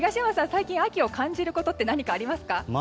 最近、秋を感じることって何か、ありますか？